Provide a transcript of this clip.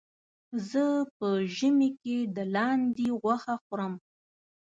زه په ژمي کې د لاندې غوښه خورم.